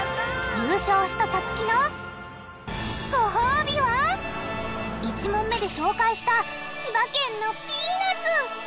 優勝したさつきのごほうびは１問目で紹介した千葉県のピーナツ。